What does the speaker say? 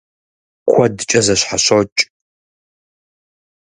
Куэдкӏэ зэщхьэщокӏ.